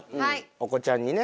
お子ちゃんにね。